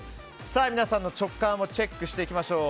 皆さんの直感をチェックしていきましょう。